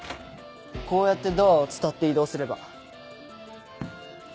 こうやってドアを伝って移動すれば。